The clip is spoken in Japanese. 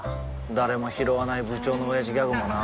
誰もひろわない部長のオヤジギャグもな